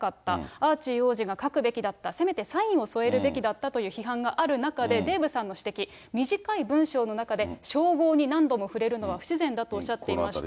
アーチー王子が書くべきだった、せめてサインを添えるべきだったと批判がある中で、デーブさんの指摘、短い文章の中で、称号に何度も触れるのは不自然だとおっしゃっていまして。